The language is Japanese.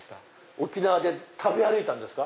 沖縄で食べ歩いたんですか？